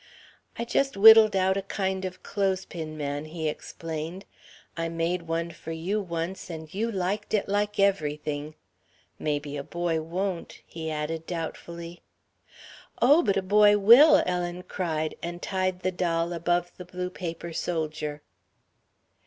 "I just whittled out a kind of a clothespin man," he explained. "I made one for you, once, and you liked it like everything. Mebbe a boy won't?" he added doubtfully. "Oh, but a boy will!" Ellen cried, and tied the doll above the blue paper soldier.